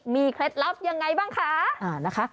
มีเคล็ดลับยังไงบ้างคะ